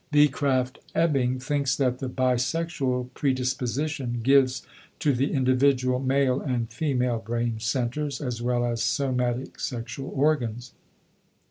v. Krafft Ebing thinks that the bisexual predisposition gives to the individual male and female brain centers as well as somatic sexual organs.